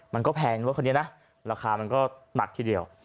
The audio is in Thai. มันก็แพงรถคันนี้นะราคามันก็หนักทีเดียว